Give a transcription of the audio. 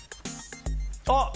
あっ！